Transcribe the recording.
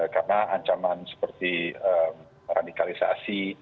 karena ancaman seperti radikalisasi